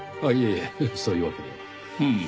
いえそういうわけでは。